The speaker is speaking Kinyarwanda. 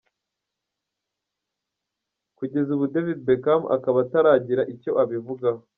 Kugeza ubu David Beckham akaba ataragira icyo abivugaho.